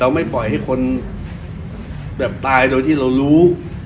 ไม่ปล่อยให้คนแบบตายโดยที่เรารู้